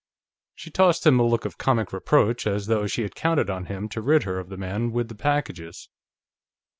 She tossed him a look of comic reproach, as though she had counted on him to rid her of the man with the packages.